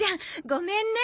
ごめんね